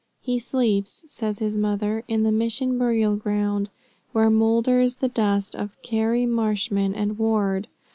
He sleeps, says his mother, in the mission burial ground, where moulders the dust of Carey, Marshman and Ward.